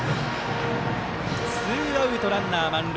ツーアウト、ランナー満塁。